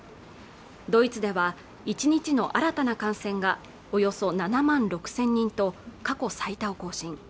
ドイツでは１日の新たな感染がおよそ７万６０００人と過去最多を更新